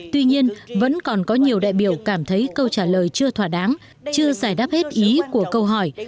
tuy nhiên vẫn còn có nhiều đại biểu cảm thấy câu trả lời chưa thỏa đáng chưa giải đáp hết ý của câu hỏi